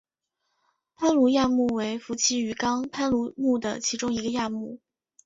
攀鲈亚目为辐鳍鱼纲攀鲈目的其中一个亚目。